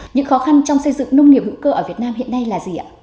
những khó khăn trong xây dựng nông nghiệp hữu cơ ở việt nam hiện nay là gì ạ